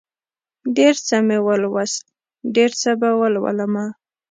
ډېر څه مې ولوست، ډېر څه به ولولمه